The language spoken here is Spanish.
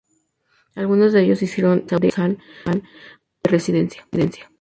Algunos de ellos hicieron de El Sauzal su lugar de residencia.